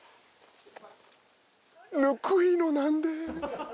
ぬくいの何で？